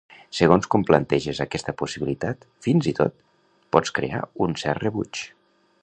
Segons com planteges aquesta possibilitat, fins i tot, pots crear un cert rebuig.